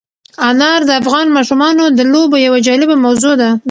انار د افغان ماشومانو د لوبو یوه جالبه موضوع ده.